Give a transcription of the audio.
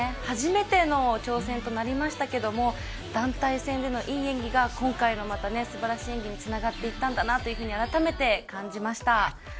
初めての挑戦となりましたけども団体戦でのいい演技が今回のすばらしい演技につながっていったんだなというふうに、改めて感じました。